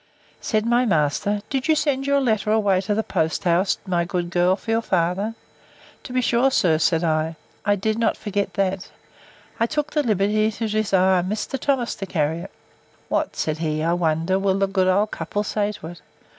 Said my master, Did you send your letter away to the post house, my good girl, for your father? To be sure, sir, said I, I did not forget that: I took the liberty to desire Mr. Thomas to carry it. What, said he, I wonder, will the good old couple say to it?